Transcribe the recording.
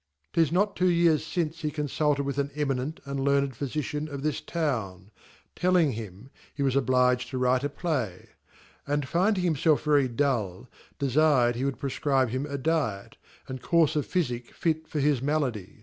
y Tis not two years ftnee he confulted with an Eminent and Learned Phyftcian of this Town ; telling him, he was obliged 1 9 mite a Play , and finding himfelf very dull, deftredhe would prefer ibe him a Diet, and courfe of Phyjick ft for his Malady?